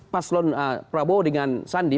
paslon prabowo dengan sandi